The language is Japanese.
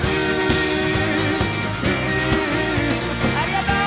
ありがとう！